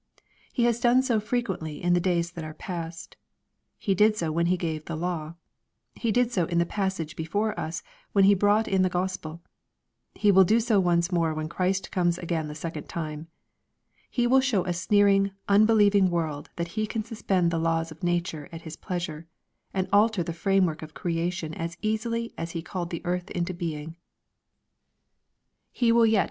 He has done so frequently in the days that are past. He did so when He gave the law. He did so in the passage before us when He brought in the Gos pel He will do so once more when Christ comes again the second time. He will show a sneering, unbe^ieviug world that He can suspend the laws of nature at His pleasure, and alter the framework of creation as easily as He called the earth into being He will yet 480 EXPOSITORY THOUGHTS.